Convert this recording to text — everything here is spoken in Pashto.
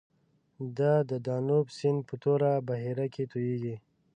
د دانوب سیند په توره بحیره کې تویږي.